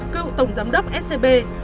kêu tổng giám đốc scb